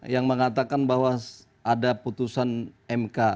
yang mengatakan bahwa ada putusan mk